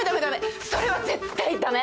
それは絶対駄目！